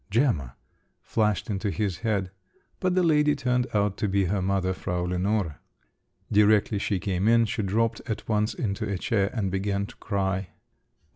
"Gemma!" flashed into his head … but the lady turned out to be her mother, Frau Lenore. Directly she came in, she dropped at once into a chair and began to cry.